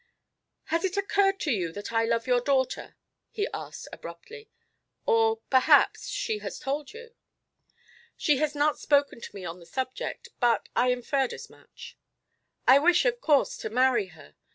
"Has it occurred to you that I love your daughter?" he asked, abruptly. "Or perhaps she has told you?" "She has not spoken to me on the subject; but I inferred as much." "I wish, of course, to marry her.